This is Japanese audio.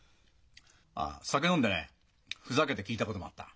あっ酒飲んでねふざけて聞いたこともあった。